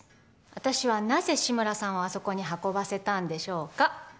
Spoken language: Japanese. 私はなぜ志村さんをあそこに運ばせたんでしょうか？